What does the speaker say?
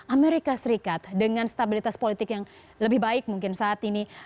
amerika serikat dengan stabilitas politik yang lebih baik mungkin saat ini